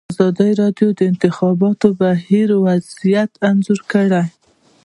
ازادي راډیو د د انتخاباتو بهیر وضعیت انځور کړی.